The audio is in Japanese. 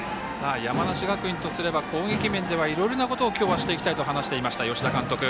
山梨学院とすれば攻撃面ではいろいろなことをしていきたいと話をしていました吉田監督。